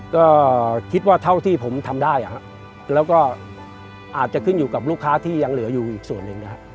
ก็คิดว่าเท่าที่ผมทำได้แล้วก็อาจจะขึ้นอยู่กับลูกค้าที่ยังเหลืออยู่อีกส่วนหนึ่งนะครับ